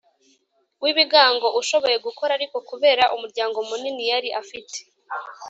w'ibigango, ushoboye gukora ariko kubera umuryango munini yari afite,